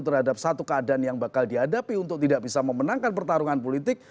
terhadap satu keadaan yang bakal dihadapi untuk tidak bisa memenangkan pertarungan politik